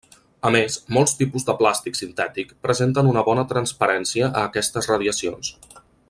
A més, molts tipus de plàstic sintètic presenten una bona transparència a aquestes radiacions.